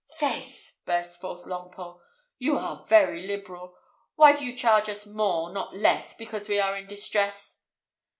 "Faith!" burst forth Longpole, "you are very liberal! Why, do you charge us more, not less, because we are in distress?"